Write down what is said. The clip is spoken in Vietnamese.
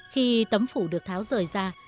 khi tấm phủ được tháo rời ra